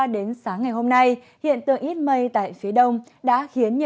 đơn vị giáo quyết định